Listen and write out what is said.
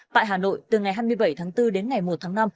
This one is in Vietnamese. tại hà nội từ ngày hai mươi bảy tháng bốn đến ngày một tháng năm